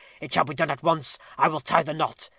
It shall be done at once. I will tie the knot.